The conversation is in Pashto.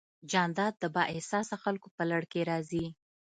جانداد د بااحساسه خلکو په لړ کې راځي.